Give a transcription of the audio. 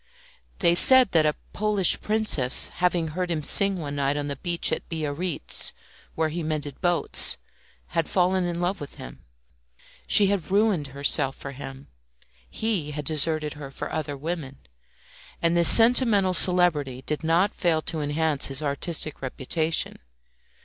They said that a Polish princess having heard him sing one night on the beach at Biarritz, where he mended boats, had fallen in love with him. She had ruined herself for him. He had deserted her for other women, and this sentimental celebrity did not fail to enhance his artistic reputation.